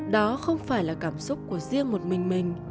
đó không phải là cảm xúc của riêng một mình mình